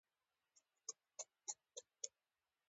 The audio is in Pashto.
افغانستان کې د چرګان په اړه زده کړه کېږي.